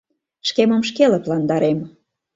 Шкемым шке лыпландарем